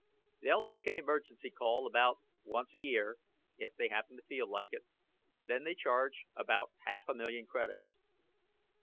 They'll take an emergency call about once a year if they happen to feel like it. Then they charge about half a million credits."